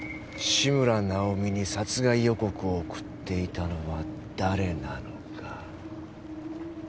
志村尚美に殺害予告を送っていたのは誰なのか。